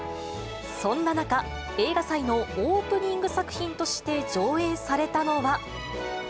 そんな中、映画祭のオープニング作品として上映されたのは。